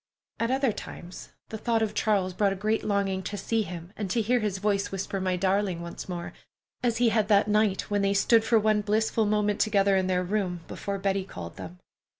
At other times, the thought of Charles brought a great longing to see him, and to hear his voice whisper, "My darling," once more, as he had that night when they stood for one blissful moment together in their room, before Betty called them.